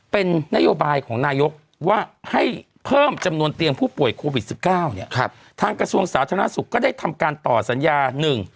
เป็นนโยบายของนายกว่าให้เพิ่มจำนวนเตียงผู้ป่วยโควิดสิบเก้าเนี่ยครับทางกระทรวงสาธารณสุขก็ได้ทำการต่อสัญญาหนึ่ง